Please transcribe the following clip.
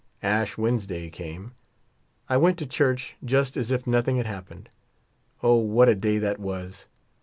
Ash Wednesday came. I went to church just as if nothing had happened. Oh! what a day that was.